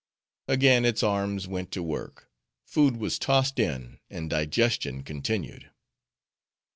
Again its arms went to work; food was tossed in, and digestion continued.